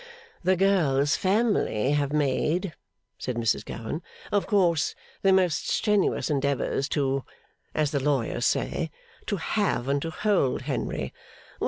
'The girl's family have made,' said Mrs Gowan, 'of course, the most strenuous endeavours to as the lawyers say to have and to hold Henry.